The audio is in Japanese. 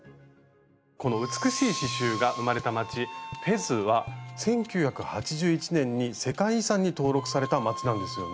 この美しい刺しゅうが生まれた街フェズは１９８１年に世界遺産に登録された街なんですよね。